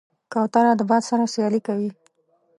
کوتره د باد سره سیالي کوي.